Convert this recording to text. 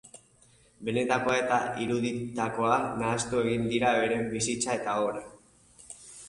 Benetakoa eta iruditakoa nahastu egiten dira bere bizitza eta obran.